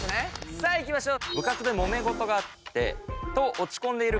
さあいきましょう。